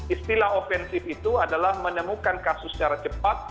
istilah offensif itu adalah menemukan kasus secara cepat